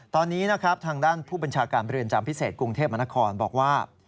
ตอนนี้ทางด้านผู้บัญชาการบริเวณจำพิเศษกรุงเทพมนาคมบอกว่า